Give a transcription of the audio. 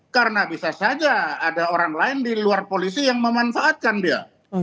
karena bisa saja ada orang lain di luar polisi yang memanfaatkan dia